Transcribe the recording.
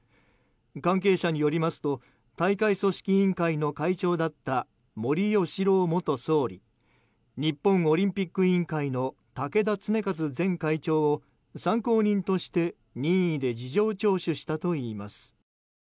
関係者によりますと大会組織委員会の会長だった森喜朗元総理日本オリンピック委員会の竹田恒和前会長を参考人として任意で事情聴取したといいます。